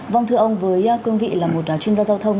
vâng thưa ông với cương vị là một chuyên gia giao thông